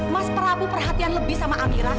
mas prabu perhatian lebih sama amirah